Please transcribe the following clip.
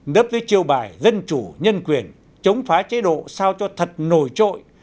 đấp với chiêu bài dân chủ nhân quyền chống phá chế độ sao cho thật nổi trội